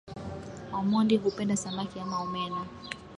Omondi hupenda samaki ama omena